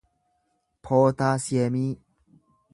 pootaasiyemii